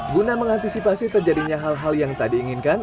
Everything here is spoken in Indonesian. guna mengantisipasi terjadinya hal hal yang tadi inginkan